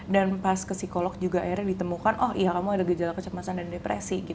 dan pas ke psikolog juga akhirnya ditemukan oh iya kamu ada gejala kecemasan dan depresi